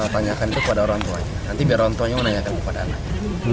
tanyakan itu kepada orang tuanya nanti biar orang tuanya menanyakan kepada anak